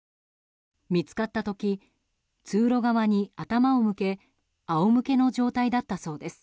見つかった時、通路側に頭を向けあおむけの状態だったそうです。